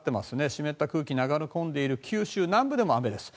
湿った空気が流れ込んでいる九州南部でも雨です。